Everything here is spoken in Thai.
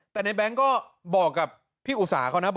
แต่ในแบงค์ก็บอกกับพี่อุตสาเขานะ